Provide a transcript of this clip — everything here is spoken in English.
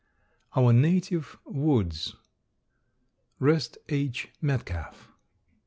OUR NATIVE WOODS. REST H. METCALF.